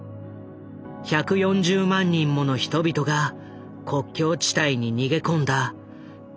１４０万人もの人々が国境地帯に逃げ込んだクルド難民危機だ。